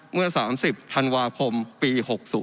เมื่อ๓๐ธันวาคมปี๖๐